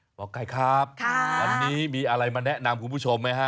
ไก่ครับวันนี้มีอะไรมาแนะนำคุณผู้ชมไหมฮะ